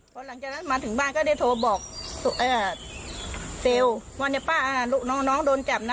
พอหลังจากนั้นมาถึงบ้านก็ได้โทรบอกเซลล์ว่าเนี่ยป้าน้องโดนจับนะ